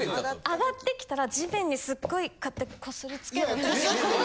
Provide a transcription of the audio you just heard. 上がってきたら地面にすっごいこうやってこすりつける。